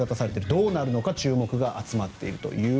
どうなるのか注目が集まっていると。